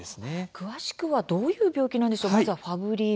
詳しくはどんな病気なんでしょう。